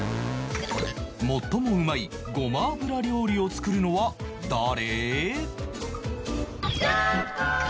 最もうまいごま油料理を作るのは誰？